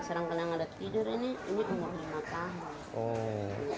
sedangkan yang ada tidur ini ini umur lima tahun